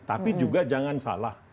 tapi juga jangan salah